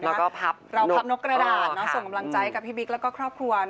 เราพับนกกระดาษส่งกำลังใจกับพี่บิ๊กแล้วก็ครอบครัว